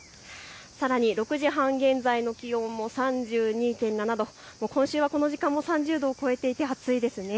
さらに６時半現在の気温も３２．７度、今週はこの時間も３０度を超えていて暑いですね。